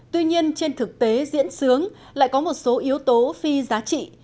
tuy nhiên trên thực tế diễn sướng lại có một số yếu tố phi giá trị